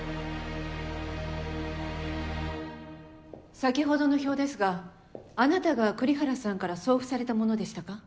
先ほどの表ですがあなたが栗原さんから送付されたものでしたか？